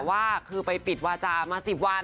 ว่าคือไปปิดวาจามา๑๐วัน